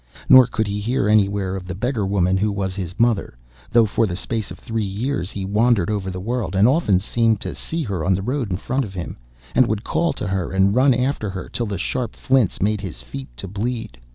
Nor could he hear anywhere of the beggar woman who was his mother, though for the space of three years he wandered over the world, and often seemed to see her on the road in front of him, and would call to her, and run after her till the sharp flints made his feet to bleed.